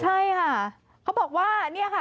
ใช่ค่ะเขาบอกว่าเนี่ยค่ะ